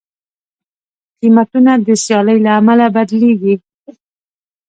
قیمتونه د سیالۍ له امله بدلېږي.